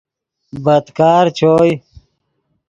بدکار چوئے